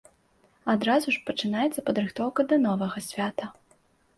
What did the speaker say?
Адразу ж пачынаецца падрыхтоўка да новага свята.